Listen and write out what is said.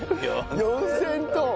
４０００トン？